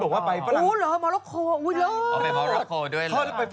ไปสมุกสงบันมาขอว่า